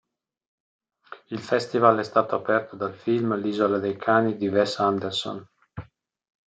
Il festival è stato aperto dal film "L'isola dei cani" di Wes Anderson.